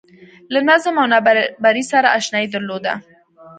له نظم او نابرابرۍ سره اشنايي درلوده